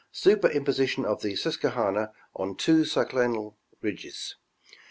Superimposition of the Susquehanna on ttoo synclinal ridges.